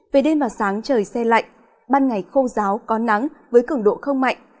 về đêm và sáng trời xe lạnh ban ngày khô giáo có nắng với cứng độ không mạnh